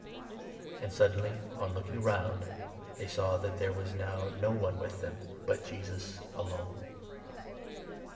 And suddenly, on looking round, they saw that there was now 8 no one with them but Jesus alone.